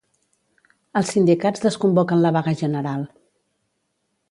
Els sindicats desconvoquen la vaga general